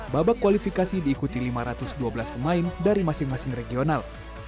babak kualifikasi diikuti lima ratus dua belas pemain dari masing masing regional